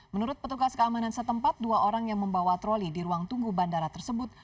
menurut petugas keamanan setempat dua orang yang membawa troli di ruang tunggu bandara tersebut